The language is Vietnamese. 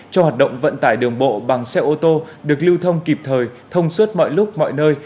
cho hoạt động vận tải đường bộ bằng xe ô tô được lưu thông kịp thời thông suốt mọi lúc mọi nơi